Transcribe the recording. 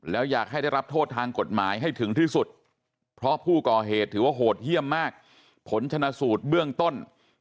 แล้วอยากให้ได้รับโทษทางกฎหมายให้ถึงที่สุดเพราะผู้ก่อเหตุถือว่าโหดเยี่ยมมากผลชนะสูตรเบื้องต้น